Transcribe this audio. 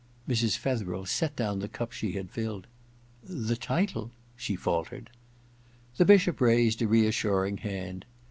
* Mrs. Fetherel set down the cup she had filled. « The title ?* she faltered. The Bishop raised a reassuring hand.